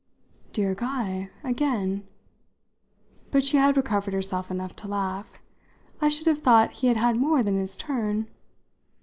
"Dear Guy again?" but she had recovered herself enough to laugh. "I should have thought he had had more than his turn!"